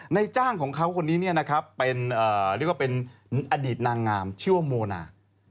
นายจ้างของเขาคนนี้เรียกว่าเป็นอดีตนางงามชื่อว่าโมนา